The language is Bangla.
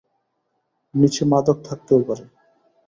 নিচে মাদক থাকতেও পারে!